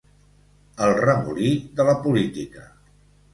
El remolí de la política.